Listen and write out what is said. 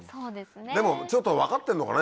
でもちょっと分かってんのかな